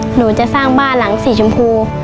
หนูจะสร้างบ้านหลังสีชมพู